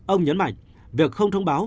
ông nhấn mạnh việc không thông báo